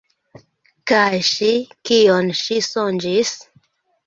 Kaj ŝi, kion ŝi sonĝis?